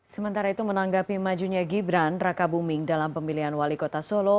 sementara itu menanggapi majunya gibran raka buming dalam pemilihan wali kota solo